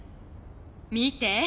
見て！